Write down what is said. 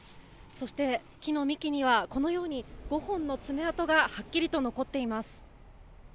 そして、木の幹には、このように５本の爪痕がはっきりと残っています。